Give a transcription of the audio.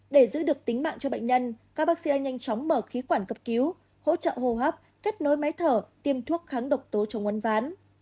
để giữ được tính mạng cho bệnh nhân các bác sĩ nhanh chóng mở khí quản cấp cứu hỗ trợ hô hấp kết nối máy thở tiêm thuốc kháng độc tố chống uân ván